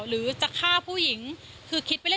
หรือจะฆ่าผู้หญิงคือคิดไปเล่น